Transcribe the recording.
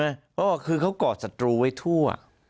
ใช่ไหมเพราะคือคือเค้าก่อนศัตรูไว้ทั่ว